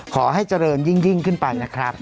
ขอให้เจริญยิ่งขึ้นไปนะครับ